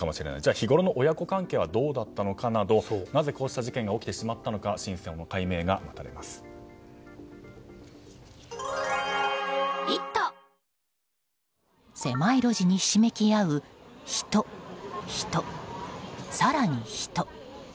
日頃の親子関係はどうだったのかなどなぜこうした事件が起きてしまったのか狭い路地にひしめき合う人、人、更に人。